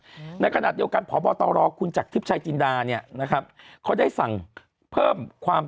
นะหรอกนะครับในเกณฑ์ดีการพอบอตรรองคุณจากชิปไชยจินดานี้นะครับเขาได้สั่งเพิ่มความ